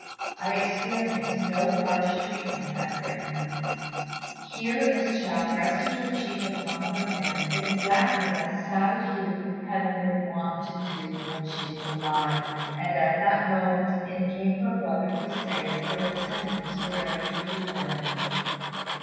I experience no harsh treatment at their hands." Here Miss Chao rested her cheek upon her hand, exactly as Hsiao hui had been wont to do when she was alive; and at that moment in came her brother to say that her attendants were ready to return.